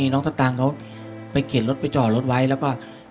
น้องศัตรังเขาไปเขี่ยนรถไปจอรถไว้แล้วก็